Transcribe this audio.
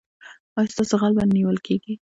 ایا ستاسو غل به نیول کیږي؟